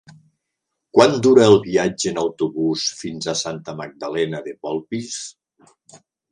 Quant dura el viatge en autobús fins a Santa Magdalena de Polpís?